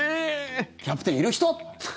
キャプテンいる人？